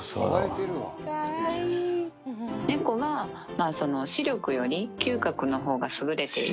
猫は、視力より嗅覚のほうが優れている。